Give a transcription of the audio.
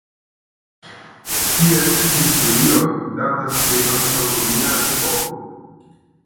Ties historio datas de antaŭromia epoko.